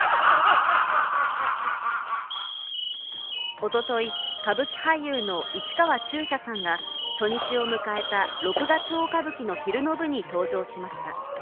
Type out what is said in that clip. おととい歌舞伎俳優の市川中車さんが初日を迎えた『六月大歌舞伎』の昼の部に登場しました。